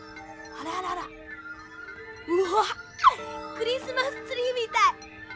クリスマスツリーみたい！